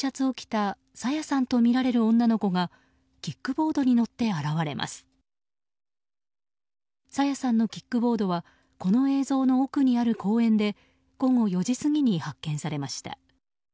朝芽さんのキックボードはこの映像の奥にある公園で午後４時過ぎに発見されました。